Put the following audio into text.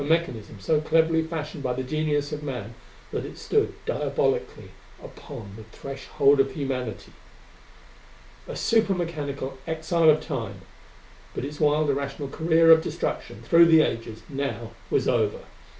A mechanism so cleverly fashioned by the genius of man that it stood diabolically upon the threshhold of humanity! A super mechanical exile of Time! But its wild, irrational career of destruction through the ages now was over.